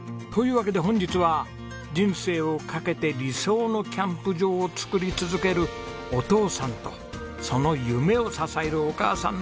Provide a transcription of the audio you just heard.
わけで本日は人生を懸けて理想のキャンプ場を作り続けるお父さんとその夢を支えるお母さんのお話です。